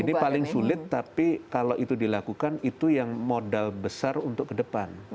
ini paling sulit tapi kalau itu dilakukan itu yang modal besar untuk ke depan